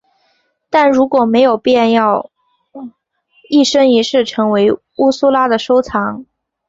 但如果没有便要一生一世成为乌苏拉的收藏。